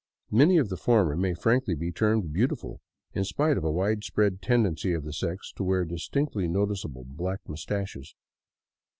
Many of the former may frankly be termed beautiful, in spite of a wide spread tendency of the s^x to wear distinctly noticeable black mustaches.